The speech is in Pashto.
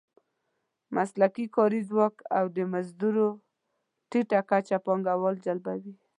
مسلکي کاري ځواک او د مزدور ټیټه کچه پانګوال جلبوي.